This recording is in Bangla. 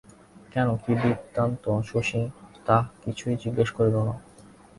কেন, কী বৃত্তান্ত শশী তাহ কিছুই জিজ্ঞাসা করিল না।